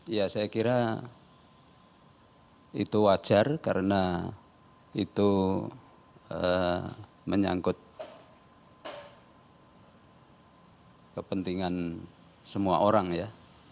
ya saya kira itu wajar karena itu menyangkut kepentingan semua orang ya